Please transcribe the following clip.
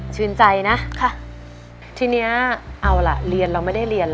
ชื่นใจนะค่ะทีนี้เอาล่ะเรียนเราไม่ได้เรียนเลย